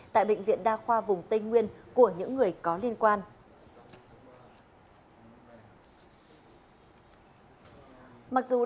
tại bệnh viện đa khoa vùng tây nguyên của những người có liên quan